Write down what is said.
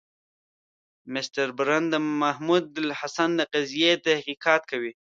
مسټر برن د محمودالحسن د قضیې تحقیقات کوي.